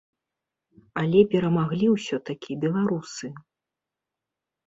Але перамаглі ўсё-такі беларусы!